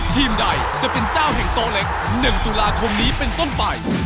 ทีมใดจะเป็นเจ้าแห่งโตเล็ก๑ตุลาคมนี้เป็นต้นไป